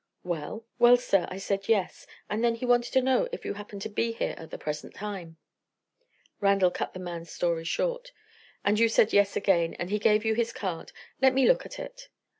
"Well?" "Well, sir, I said Yes. And then he wanted to know if you happened to be here at the present time." Randal cut the man's story short. "And you said Yes again, and he gave you his card. Let me look at it."